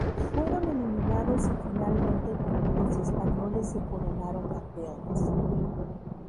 Fueron eliminados y finalmente los españoles se coronaron campeones.